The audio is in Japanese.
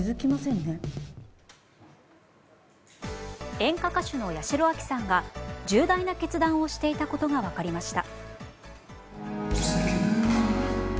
演歌歌手の八代亜紀さんが重大な決断をしていたことが分かりました。